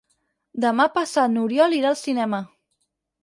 Demà passat n'Oriol irà al cinema.